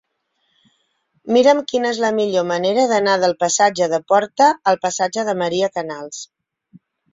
Mira'm quina és la millor manera d'anar del passatge de Porta al passatge de Maria Canals.